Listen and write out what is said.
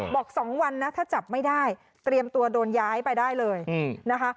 ๒วันนะถ้าจับไม่ได้เตรียมตัวโดนย้ายไปได้เลยนะคะ